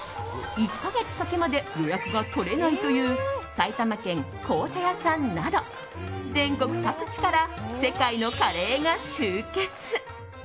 １か月先まで予約が取れないという埼玉県、紅茶屋さんなど全国各地から世界のカレーが集結。